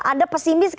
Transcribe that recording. ada pesimis gak